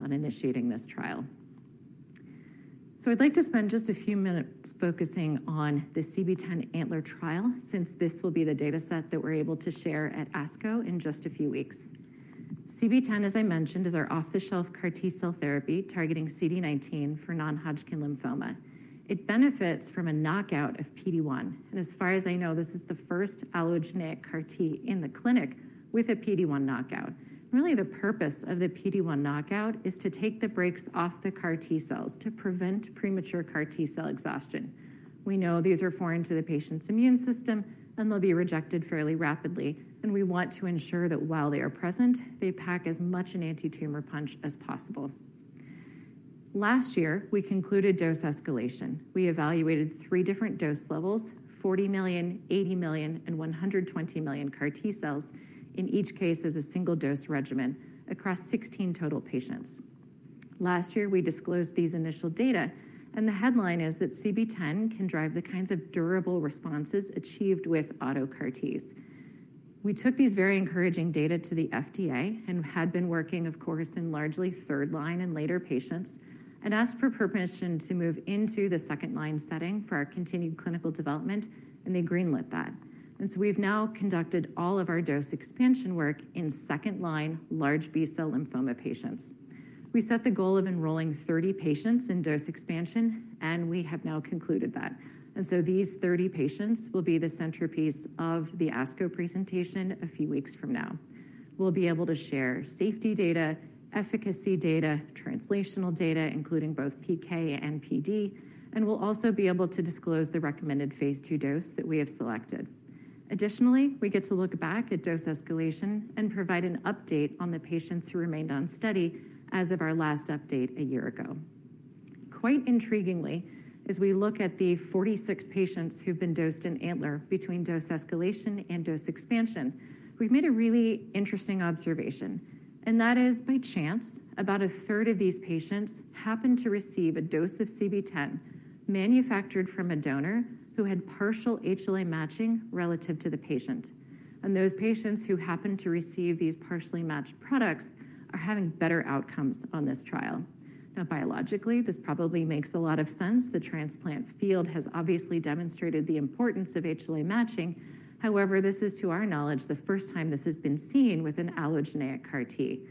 On initiating this trial. I'd like to spend just a few minutes focusing on the CB-010 ANTLER trial since this will be the dataset that we're able to share at ASCO in just a few weeks. CB-010, as I mentioned, is our off-the-shelf CAR T cell therapy targeting CD19 for non-Hodgkin lymphoma. It benefits from a knockout of PD-1, and as far as I know, this is the first allogeneic CAR T in the clinic with a PD-1 knockout. Really, the purpose of the PD-1 knockout is to take the brakes off the CAR T cells to prevent premature CAR T cell exhaustion. We know these are foreign to the patient's immune system, and they'll be rejected fairly rapidly, and we want to ensure that while they are present, they pack as much an anti-tumor punch as possible. Last year, we concluded dose escalation. We evaluated three different dose levels: 40 million, 80 million, and 120 million CAR T cells in each case as a single-dose regimen across 16 total patients. Last year, we disclosed these initial data, and the headline is that CB-010 can drive the kinds of durable responses achieved with auto CAR Ts. We took these very encouraging data to the FDA and had been working, of course, in largely third-line and later patients, and asked for permission to move into the second-line setting for our continued clinical development, and they greenlit that. And so we've now conducted all of our dose expansion work in second-line large B cell lymphoma patients. We set the goal of enrolling 30 patients in dose expansion, and we have now concluded that. And so these 30 patients will be the centerpiece of the ASCO presentation a few weeks from now. We'll be able to share safety data, efficacy data, translational data, including both PK and PD, and we'll also be able to disclose the recommended phase II dose that we have selected. Additionally, we get to look back at dose escalation and provide an update on the patients who remained unstudied as of our last update a year ago. Quite intriguingly, as we look at the 46 patients who've been dosed in ANTLER between dose escalation and dose expansion, we've made a really interesting observation, and that is, by chance, about a third of these patients happen to receive a dose of CB-010 manufactured from a donor who had partial HLA matching relative to the patient. And those patients who happen to receive these partially matched products are having better outcomes on this trial. Now, biologically, this probably makes a lot of sense. The transplant field has obviously demonstrated the importance of HLA matching. However, this is, to our knowledge, the first time this has been seen with an allogeneic CAR T.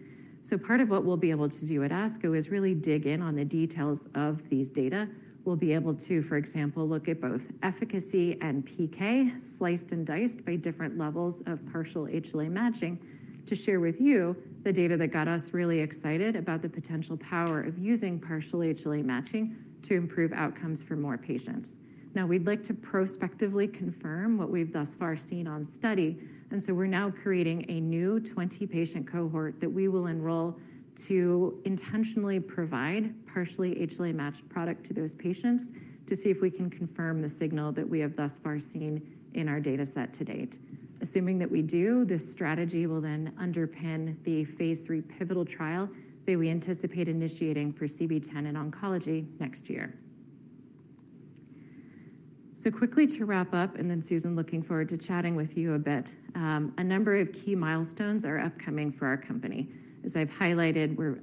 So part of what we'll be able to do at ASCO is really dig in on the details of these data. We'll be able to, for example, look at both efficacy and PK sliced and diced by different levels of partial HLA matching to share with you the data that got us really excited about the potential power of using partial HLA matching to improve outcomes for more patients. Now, we'd like to prospectively confirm what we've thus far seen on study, and so we're now creating a new 20-patient cohort that we will enroll to intentionally provide partially HLA matched product to those patients to see if we can confirm the signal that we have thus far seen in our dataset to date. Assuming that we do, this strategy will then underpin the phase III pivotal trial that we anticipate initiating for CB-010 in oncology next year. So quickly to wrap up, and then Susan, looking forward to chatting with you a bit, a number of key milestones are upcoming for our company. As I've highlighted, we're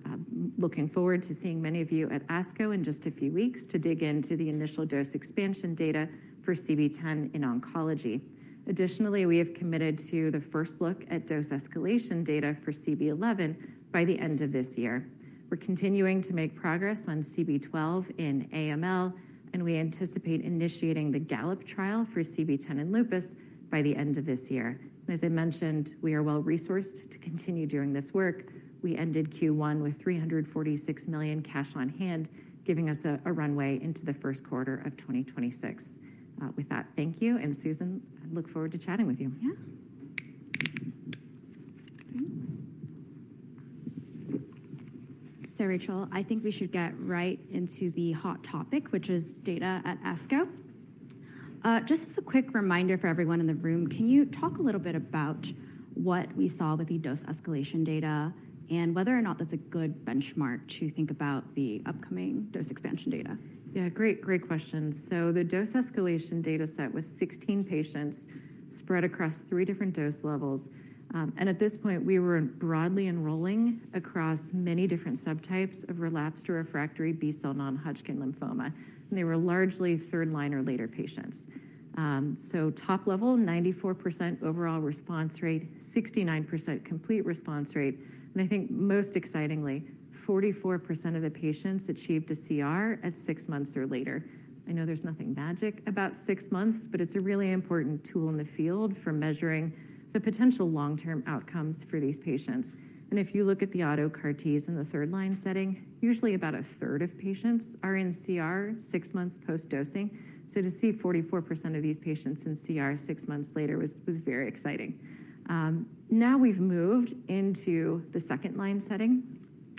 looking forward to seeing many of you at ASCO in just a few weeks to dig into the initial dose expansion data for CB-010 in oncology. Additionally, we have committed to the first look at dose escalation data for CB-011 by the end of this year. We're continuing to make progress on CB-012 in AML, and we anticipate initiating the GALLOP trial for CB-010 in lupus by the end of this year. And as I mentioned, we are well resourced to continue doing this work. We ended Q1 with $346 million cash on hand, giving us a runway into the first quarter of 2026. With that, thank you. And Susan, I look forward to chatting with you. Yeah. So, Rachel, I think we should get right into the hot topic, which is data at ASCO. Just as a quick reminder for everyone in the room, can you talk a little bit about what we saw with the dose escalation data and whether or not that's a good benchmark to think about the upcoming dose expansion data? Yeah, great, great question. So the dose escalation dataset was 16 patients spread across three different dose levels. And at this point, we were broadly enrolling across many different subtypes of relapsed or refractory B cell non-Hodgkin lymphoma. And they were largely third-line or later patients. So top level, 94% overall response rate, 69% complete response rate, and I think most excitingly, 44% of the patients achieved a CR at six months or later. I know there's nothing magic about six months, but it's a really important tool in the field for measuring the potential long-term outcomes for these patients. And if you look at the auto CAR Ts in the third-line setting, usually about a third of patients are in CR six months post-dosing. So to see 44% of these patients in CR six months later was very exciting. Now we've moved into the second-line setting.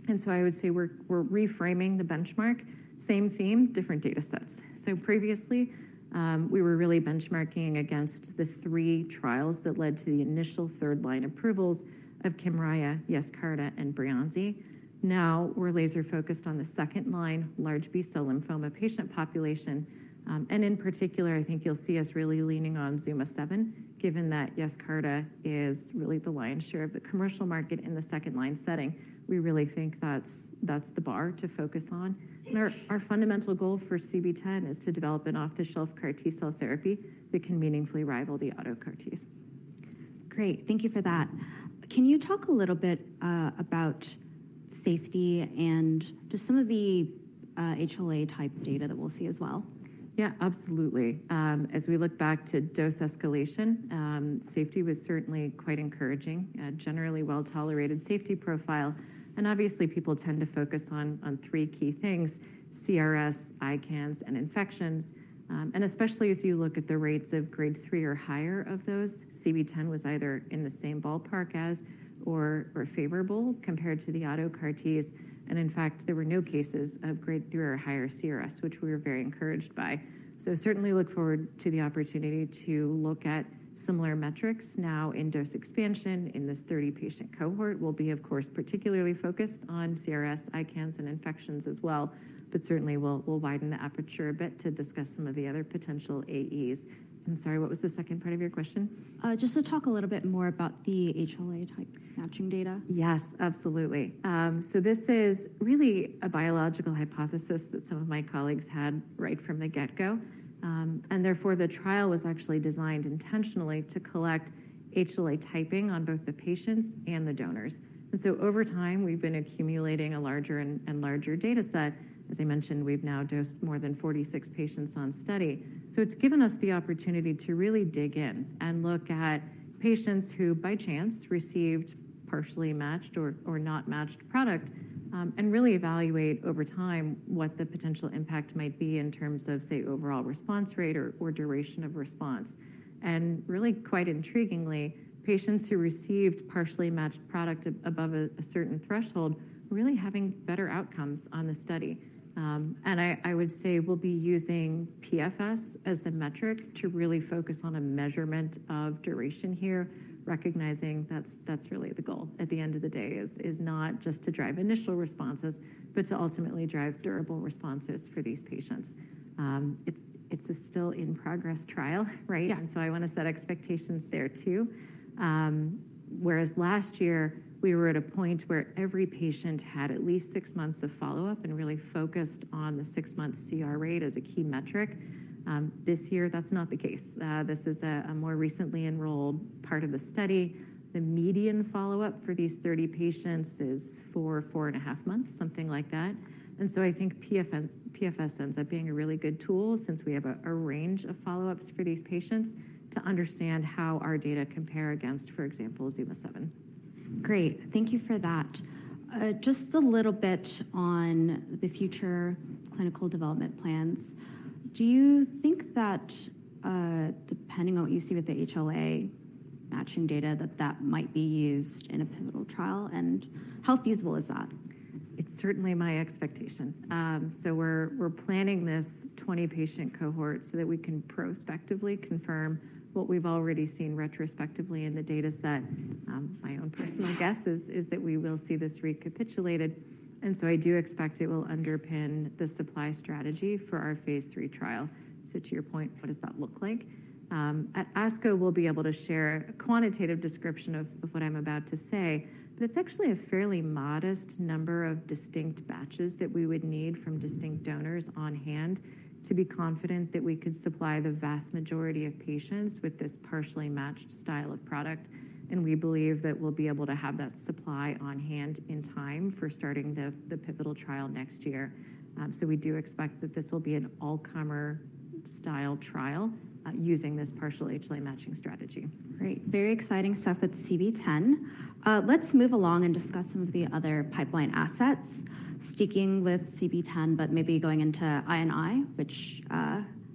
And so I would say we're reframing the benchmark. Same theme, different datasets. So previously, we were really benchmarking against the three trials that led to the initial third-line approvals of KYMRIAH, YESCARTA, and BREYANZI. Now we're laser-focused on the second-line large B cell lymphoma patient population, and in particular, I think you'll see us really leaning on ZUMA-7, given that YESCARTA is really the lion's share of the commercial market in the second-line setting. We really think that's the bar to focus on. And our fundamental goal for CB-010 is to develop an off-the-shelf CAR T cell therapy that can meaningfully rival the auto CAR Ts. Great. Thank you for that. Can you talk a little bit about safety and just some of the HLA type data that we'll see as well? Yeah, absolutely. As we look back to dose escalation, safety was certainly quite encouraging, a generally well-tolerated safety profile. Obviously, people tend to focus on, on three key things: CRS, ICANS, and infections. Especially as you look at the rates of grade three or higher of those, CB-010 was either in the same ballpark as or, or favorable compared to the auto CAR Ts. In fact, there were no cases of grade three or higher CRS, which we were very encouraged by. So certainly look forward to the opportunity to look at similar metrics now in dose expansion in this 30-patient cohort. We'll be, of course, particularly focused on CRS, ICANS, and infections as well, but certainly we'll, we'll widen the aperture a bit to discuss some of the other potential AEs. I'm sorry, what was the second part of your question? Just to talk a little bit more about the HLA type matching data. Yes, absolutely. So this is really a biological hypothesis that some of my colleagues had right from the get-go. And therefore, the trial was actually designed intentionally to collect HLA typing on both the patients and the donors. And so over time, we've been accumulating a larger and larger dataset. As I mentioned, we've now dosed more than 46 patients on study. So it's given us the opportunity to really dig in and look at patients who, by chance, received partially matched or not matched product, and really evaluate over time what the potential impact might be in terms of, say, overall response rate or duration of response. And really, quite intriguingly, patients who received partially matched product above a certain threshold were really having better outcomes on the study. I would say we'll be using PFS as the metric to really focus on a measurement of duration here, recognizing that's really the goal at the end of the day is not just to drive initial responses, but to ultimately drive durable responses for these patients. It's a still-in-progress trial, right? And so I want to set expectations there too. Whereas last year, we were at a point where every patient had at least six months of follow-up and really focused on the six-month CR rate as a key metric. This year, that's not the case. This is a more recently enrolled part of the study. The median follow-up for these 30 patients is four and a half months, something like that. And so I think PFS ends up being a really good tool since we have a range of follow-ups for these patients to understand how our data compare against, for example, ZUMA-7. Great. Thank you for that. Just a little bit on the future clinical development plans. Do you think that, depending on what you see with the HLA matching data, that that might be used in a pivotal trial? And how feasible is that? It's certainly my expectation. So we're, we're planning this 20-patient cohort so that we can prospectively confirm what we've already seen retrospectively in the dataset. My own personal guess is, is that we will see this recapitulated. And so I do expect it will underpin the supply strategy for our phase III trial. So to your point, what does that look like? At ASCO, we'll be able to share a quantitative description of, of what I'm about to say, but it's actually a fairly modest number of distinct batches that we would need from distinct donors on hand to be confident that we could supply the vast majority of patients with this partially matched style of product. And we believe that we'll be able to have that supply on hand in time for starting the, the pivotal trial next year. So we do expect that this will be an all-comer style trial, using this partial HLA matching strategy. Great. Very exciting stuff with CB-010. Let's move along and discuss some of the other pipeline assets, sticking with CB-010, but maybe going into I&I, which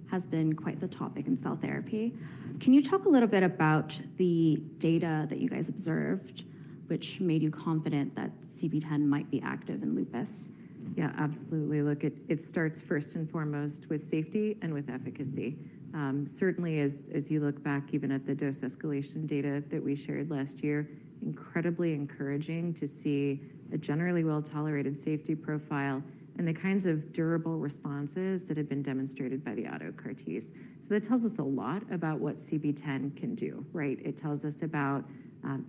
has been quite the topic in cell therapy. Can you talk a little bit about the data that you guys observed, which made you confident that CB-010 might be active in lupus? Yeah, absolutely. Look, it, it starts first and foremost with safety and with efficacy. Certainly, as, as you look back, even at the dose escalation data that we shared last year, incredibly encouraging to see a generally well-tolerated safety profile and the kinds of durable responses that have been demonstrated by the auto CAR Ts. So that tells us a lot about what CB-010 can do, right? It tells us about,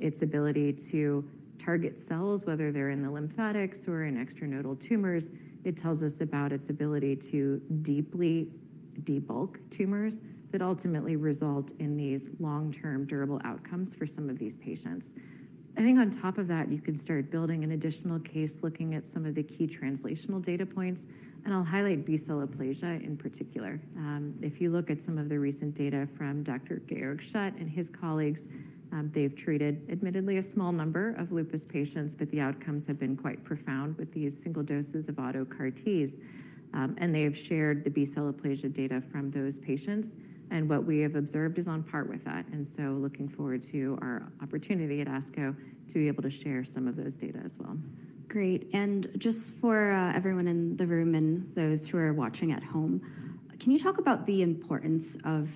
its ability to target cells, whether they're in the lymphatics or in extranodal tumors. It tells us about its ability to deeply debulk tumors that ultimately result in these long-term durable outcomes for some of these patients. I think on top of that, you could start building an additional case looking at some of the key translational data points. And I'll highlight B cell aplasia in particular. If you look at some of the recent data from Dr. Georg Schett and his colleagues, they've treated admittedly a small number of lupus patients, but the outcomes have been quite profound with these single doses of autologous CAR Ts, and they have shared the B cell aplasia data from those patients. What we have observed is on par with that. So looking forward to our opportunity at ASCO to be able to share some of those data as well. Great. And just for everyone in the room and those who are watching at home, can you talk about the importance of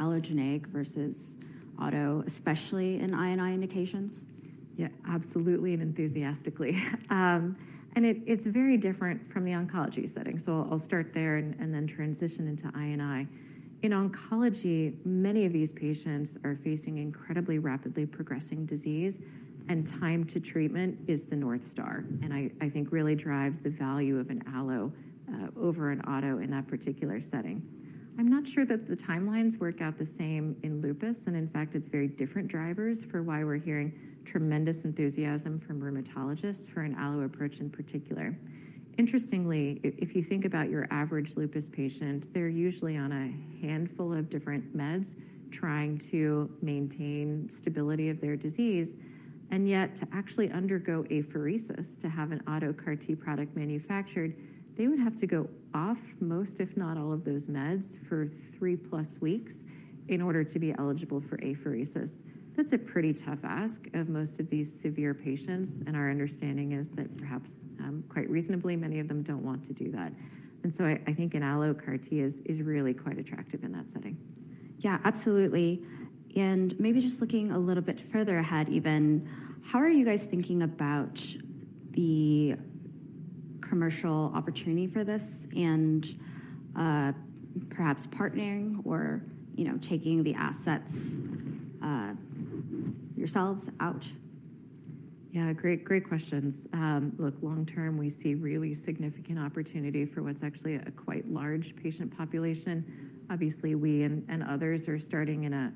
allogeneic versus auto, especially in I&I indications? Yeah, absolutely and enthusiastically. And it's very different from the oncology setting. So I'll start there and then transition into SLE. In oncology, many of these patients are facing incredibly rapidly progressing disease, and time to treatment is the North Star. And I think really drives the value of an allo over an auto in that particular setting. I'm not sure that the timelines work out the same in lupus. And in fact, it's very different drivers for why we're hearing tremendous enthusiasm from rheumatologists for an allo approach in particular. Interestingly, if you think about your average lupus patient, they're usually on a handful of different meds trying to maintain stability of their disease. Yet, to actually undergo apheresis, to have an auto CAR T product manufactured, they would have to go off most, if not all of those meds for 3+ weeks in order to be eligible for apheresis. That's a pretty tough ask of most of these severe patients. Our understanding is that perhaps, quite reasonably, many of them don't want to do that. And so I, I think an allo CAR T is, is really quite attractive in that setting. Yeah, absolutely. Maybe just looking a little bit further ahead even, how are you guys thinking about the commercial opportunity for this and, perhaps partnering or, you know, taking the assets, yourselves out? Yeah, great, great questions. Look, long term, we see really significant opportunity for what's actually a quite large patient population. Obviously, we and others are starting in a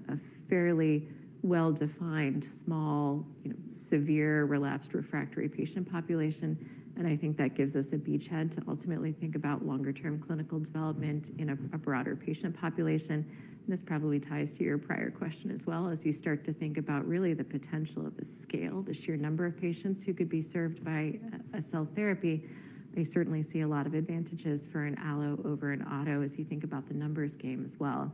fairly well-defined small, you know, severe relapsed refractory patient population. And I think that gives us a beachhead to ultimately think about longer-term clinical development in a broader patient population. And this probably ties to your prior question as well. As you start to think about really the potential of the scale, the sheer number of patients who could be served by a cell therapy, they certainly see a lot of advantages for an allo over an auto as you think about the numbers game as well.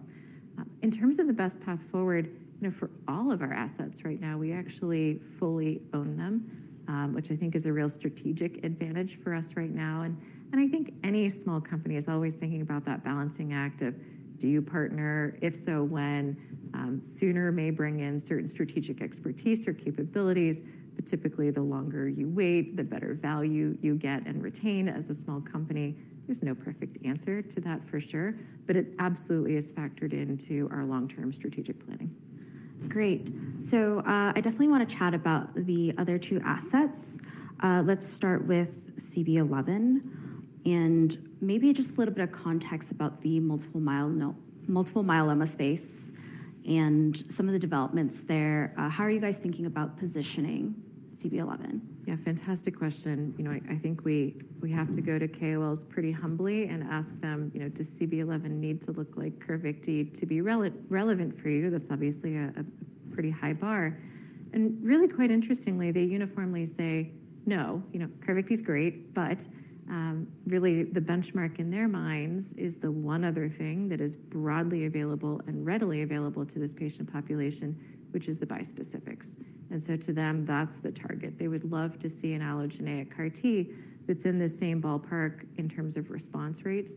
In terms of the best path forward, you know, for all of our assets right now, we actually fully own them, which I think is a real strategic advantage for us right now. And I think any small company is always thinking about that balancing act of do you partner, if so when, sooner may bring in certain strategic expertise or capabilities, but typically the longer you wait, the better value you get and retain as a small company. There's no perfect answer to that for sure, but it absolutely is factored into our long-term strategic planning. Great. So, I definitely want to chat about the other two assets. Let's start with CB-011 and maybe just a little bit of context about the multiple myeloma space and some of the developments there. How are you guys thinking about positioning CB-011? Yeah, fantastic question. You know, I think we have to go to KOLs pretty humbly and ask them, you know, does CB-011 need to look like CARVYKTI to be relevant for you? That's obviously a pretty high bar. And really quite interestingly, they uniformly say no, you know, CARVYKTI is great, but really the benchmark in their minds is the one other thing that is broadly available and readily available to this patient population, which is the bispecifics. And so to them, that's the target. They would love to see an allogeneic CAR T that's in the same ballpark in terms of response rates.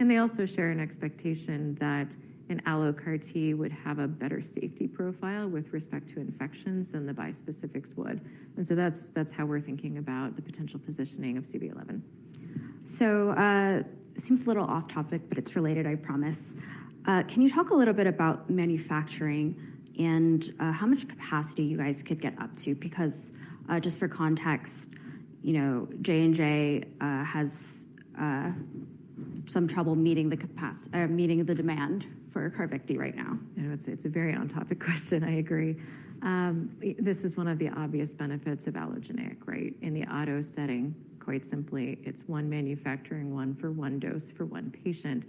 And they also share an expectation that an allo CAR T would have a better safety profile with respect to infections than the bispecifics would. And so that's how we're thinking about the potential positioning of CB-011. So, seems a little off topic, but it's related, I promise. Can you talk a little bit about manufacturing and how much capacity you guys could get up to? Because, just for context, you know, J&J has some trouble meeting the capacity, meeting the demand for CARVYKTI right now. Yeah, it's a very on-topic question. I agree. This is one of the obvious benefits of allogeneic, right? In the auto setting, quite simply, it's one manufacturing, one for one dose for one patient.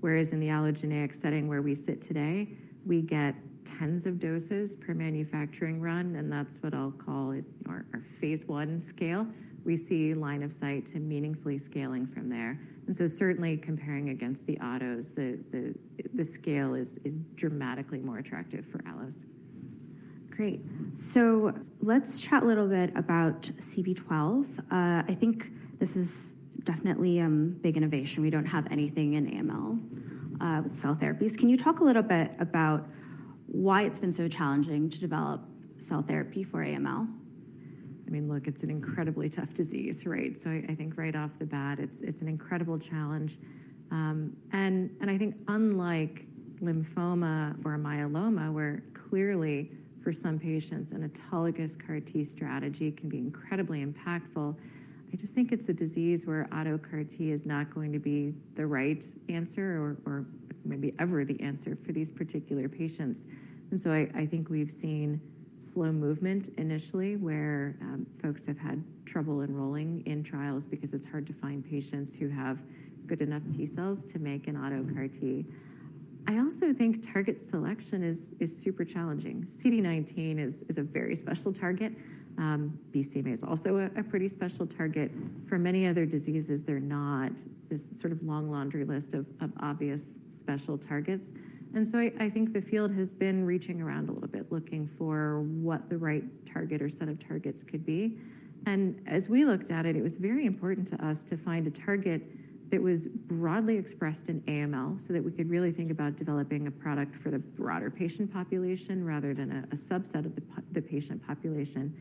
Whereas in the allogeneic setting where we sit today, we get tens of doses per manufacturing run, and that's what I'll call our phase I scale. We see line of sight to meaningfully scaling from there. And so certainly comparing against the autos, the scale is dramatically more attractive for allos. Great. So let's chat a little bit about CB-012. I think this is definitely big innovation. We don't have anything in AML with cell therapies. Can you talk a little bit about why it's been so challenging to develop cell therapy for AML? I mean, look, it's an incredibly tough disease, right? So I think right off the bat, it's an incredible challenge. And I think unlike lymphoma or myeloma, where clearly for some patients an autologous CAR T strategy can be incredibly impactful, I just think it's a disease where auto CAR T is not going to be the right answer or maybe ever the answer for these particular patients. So I think we've seen slow movement initially where folks have had trouble enrolling in trials because it's hard to find patients who have good enough T cells to make an auto CAR T. I also think target selection is super challenging. CD19 is a very special target. BCMA is also a pretty special target. For many other diseases, they're not this sort of long laundry list of obvious special targets. I think the field has been reaching around a little bit looking for what the right target or set of targets could be. And as we looked at it, it was very important to us to find a target that was broadly expressed in AML so that we could really think about developing a product for the broader patient population rather than a subset of the patient population.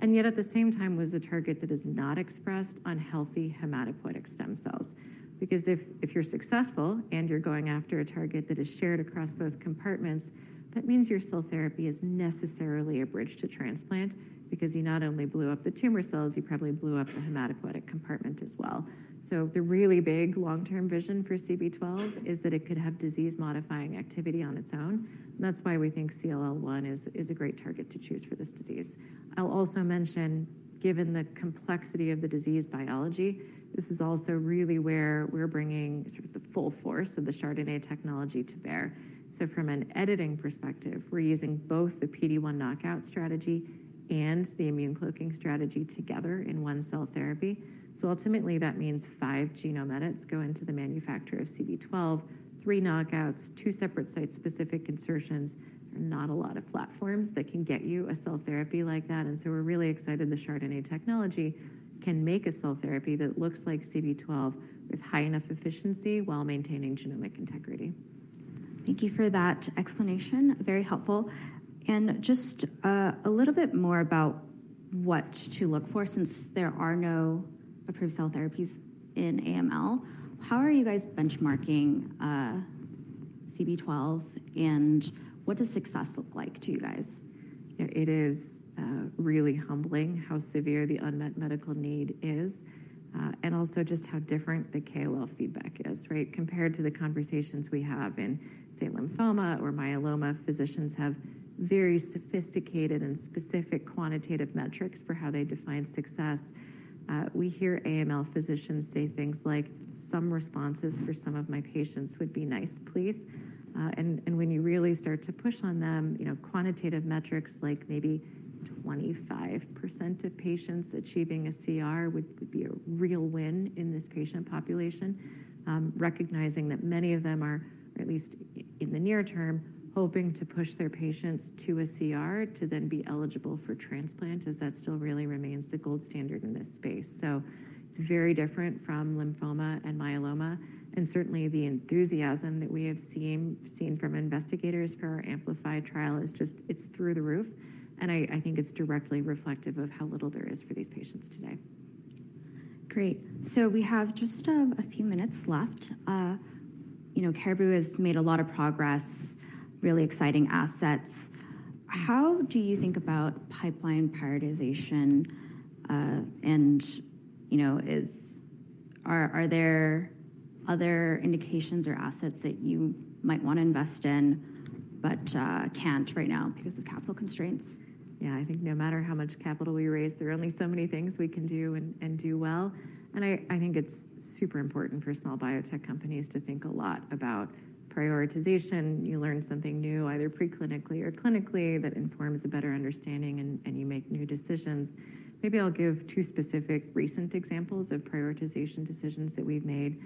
And yet at the same time was a target that is not expressed on healthy hematopoietic stem cells. Because if you're successful and you're going after a target that is shared across both compartments, that means your cell therapy is necessarily a bridge to transplant because you not only blew up the tumor cells, you probably blew up the hematopoietic compartment as well. So the really big long-term vision for CB-012 is that it could have disease-modifying activity on its own. That's why we think CLL-1 is a great target to choose for this disease. I'll also mention, given the complexity of the disease biology, this is also really where we're bringing sort of the full force of the chRDNA technology to bear. So from an editing perspective, we're using both the PD-1 knockout strategy and the immune cloaking strategy together in one cell therapy. So ultimately that means five genome edits go into the manufacturer of CB-012, three knockouts, two separate site-specific insertions. There are not a lot of platforms that can get you a cell therapy like that. And so we're really excited the chRDNA technology can make a cell therapy that looks like CB-012 with high enough efficiency while maintaining genomic integrity. Thank you for that explanation. Very helpful. And just, a little bit more about what to look for since there are no approved cell therapies in AML. How are you guys benchmarking CB-012, and what does success look like to you guys? Yeah, it is, really humbling how severe the unmet medical need is, and also just how different the KOL feedback is, right? Compared to the conversations we have in, say, lymphoma or myeloma, physicians have very sophisticated and specific quantitative metrics for how they define success. We hear AML physicians say things like, some responses for some of my patients would be nice, please. And, and when you really start to push on them, you know, quantitative metrics like maybe 25% of patients achieving a CR would, would be a real win in this patient population. Recognizing that many of them are, are at least in the near term hoping to push their patients to a CR to then be eligible for transplant as that still really remains the gold standard in this space. So it's very different from lymphoma and myeloma. Certainly the enthusiasm that we have seen from investigators for our AMpLify trial is just, it's through the roof. I think it's directly reflective of how little there is for these patients today. Great. So we have just a few minutes left. You know, Caribou has made a lot of progress, really exciting assets. How do you think about pipeline prioritization, and you know, are there other indications or assets that you might want to invest in, but can't right now because of capital constraints? Yeah, I think no matter how much capital we raise, there are only so many things we can do and, and do well. I, I think it's super important for small biotech companies to think a lot about prioritization. You learn something new, either preclinically or clinically, that informs a better understanding and, and you make new decisions. Maybe I'll give two specific recent examples of prioritization decisions that we've made.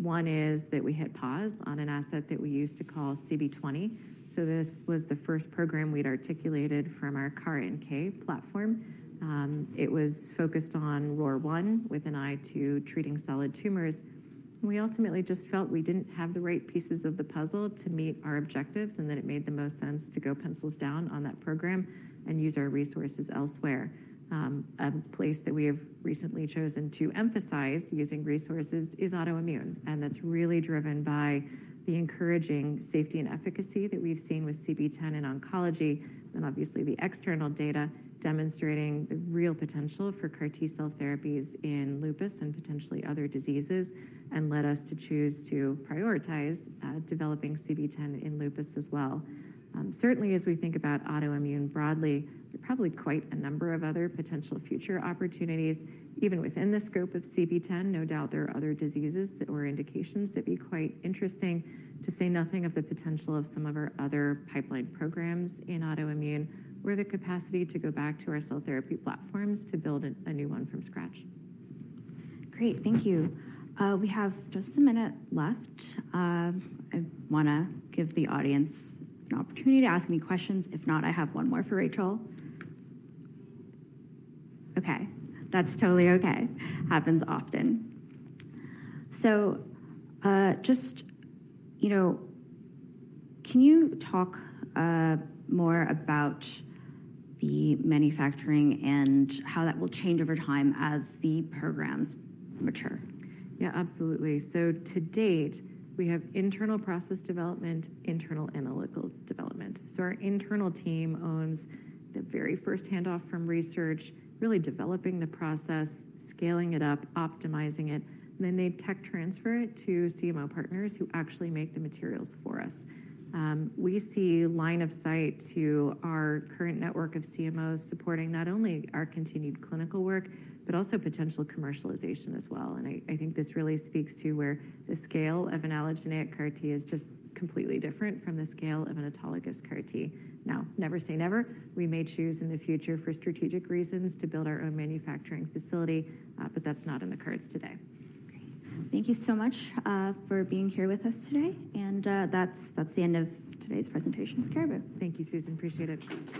One is that we hit pause on an asset that we used to call CB-020. So this was the first program we'd articulated from our CAR-NK platform. It was focused on ROR1 with an eye to treating solid tumors. And we ultimately just felt we didn't have the right pieces of the puzzle to meet our objectives and that it made the most sense to go pencils down on that program and use our resources elsewhere. A place that we have recently chosen to emphasize using resources is autoimmune. And that's really driven by the encouraging safety and efficacy that we've seen with CB-010 in oncology and obviously the external data demonstrating the real potential for CAR T cell therapies in lupus and potentially other diseases and led us to choose to prioritize developing CB-010 in lupus as well. Certainly as we think about autoimmune broadly, there are probably quite a number of other potential future opportunities, even within the scope of CB-010. No doubt there are other diseases that, or indications that'd be quite interesting to say nothing of the potential of some of our other pipeline programs in autoimmune or the capacity to go back to our cell therapy platforms to build a new one from scratch. Great. Thank you. We have just a minute left. I want to give the audience an opportunity to ask any questions. If not, I have one more for Rachel. Okay. That's totally okay. Happens often. So, just, you know, can you talk more about the manufacturing and how that will change over time as the programs mature? Yeah, absolutely. So to date, we have internal process development, internal analytical development. So our internal team owns the very first handoff from research, really developing the process, scaling it up, optimizing it, and then they tech transfer it to CMO partners who actually make the materials for us. We see line of sight to our current network of CMOs supporting not only our continued clinical work, but also potential commercialization as well. And I, I think this really speaks to where the scale of an allogeneic CAR T is just completely different from the scale of an autologous CAR T. Now, never say never. We may choose in the future for strategic reasons to build our own manufacturing facility, but that's not in the cards today. Great. Thank you so much for being here with us today. That's, that's the end of today's presentation with Caribou. Thank you, Susan. Appreciate it.